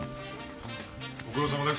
ご苦労さまです。